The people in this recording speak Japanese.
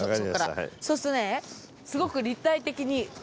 そうするとねすごく立体的に。